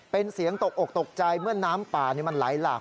เป็นเสียงตกอกตกใจเมื่อน้ำป่ามันไหลหลาก